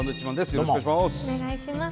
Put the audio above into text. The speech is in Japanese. よろしくお願いします。